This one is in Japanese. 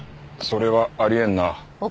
それはあり得んな。